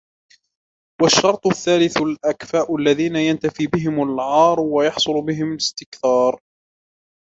وَالشَّرْطُ الثَّالِثُ الْأَكْفَاءُ الَّذِينَ يَنْتَفِي بِهِمْ الْعَارُ وَيَحْصُلُ بِهِمْ الِاسْتِكْثَارُ